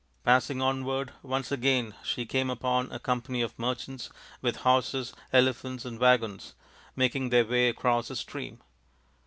Passing onward once again she came upon a company of merchants with horses, elephants, and waggons making their way across a stream.